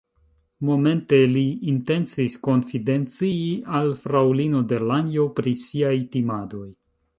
Momente li intencis konfidencii al fraŭlino Delanjo pri siaj timadoj.